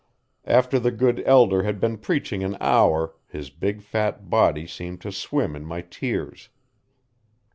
After the good elder had been preaching an hour his big, fat body seemed to swim in my tears.